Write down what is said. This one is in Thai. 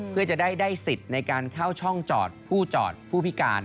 เพื่อจะได้สิทธิ์ในการเข้าช่องจอดผู้จอดผู้พิการ